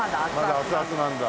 まだ熱々なんだ。